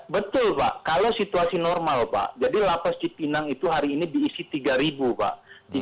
betul pak kalau situasi normal pak jadi lapas cipinang itu hari ini diisi tiga pak